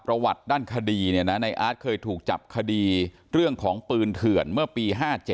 ประวัติด้านคดีในอาร์ตเคยถูกจับคดีเรื่องของปืนเถื่อนเมื่อปี๕๗